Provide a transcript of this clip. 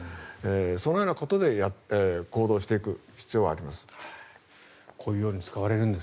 そのようなことで行動していく必要があります。